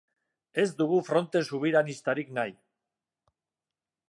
Ez dugu fronte subiranistarik nahi.